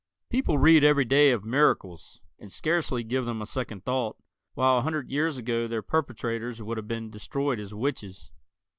People read every day of "miracles" and scarcely give them a second thought, while a hundred years ago their perpetrators would have been destroyed as witches.